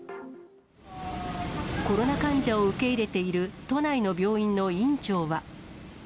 コロナ患者を受け入れている都内の病院の院長は。